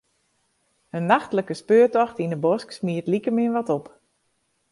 In nachtlike speurtocht yn 'e bosk smiet likemin wat op.